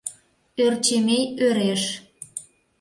— Ӧрчемей ӧреш.